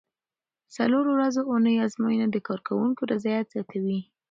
د څلورو ورځو اونۍ ازموینه د کارکوونکو رضایت زیاتوي.